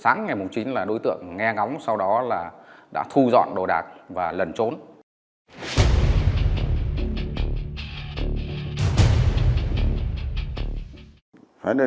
sau khi gây án thì vào buổi sáng ngày chín là đối tượng nghe ngóng sau đó là đã thu dọn đồ đạc và lẩn trốn